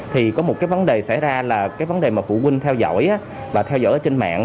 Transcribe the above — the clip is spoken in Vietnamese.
thì có một cái vấn đề xảy ra là cái vấn đề mà phụ huynh theo dõi và theo dõi trên mạng